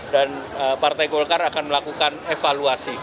dan partai golkar akan melakukan evaluasi